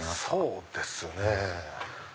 そうですね。